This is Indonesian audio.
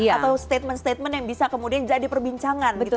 atau statement statement yang bisa kemudian jadi perbincangan gitu ya